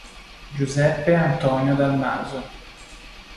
Giuseppe Antonio Dal Maso